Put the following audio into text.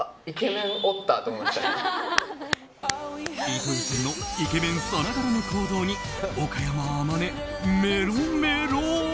飯豊さんのイケメンさながらの行動に岡山天音、メロメロ。